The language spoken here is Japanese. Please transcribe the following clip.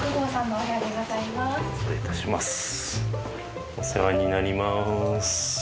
お世話になります。